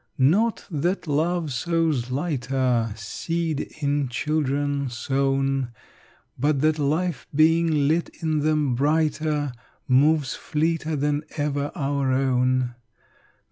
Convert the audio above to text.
Not that love sows lighter Seed in children sown, But that life being lit in them brighter Moves fleeter than even our own.